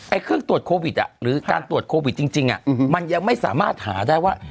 เครื่องตรวจโควิดหรือการตรวจโควิดจริงมันยังไม่สามารถหาได้ว่า